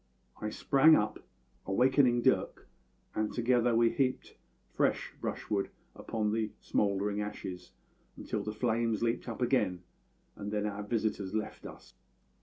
I sprang up, awaking Dirk, and together we heaped fresh brushwood upon the smouldering ashes until the flames leaped up again, and then our visitors left us.